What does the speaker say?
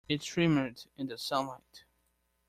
It shimmered in the sunlight.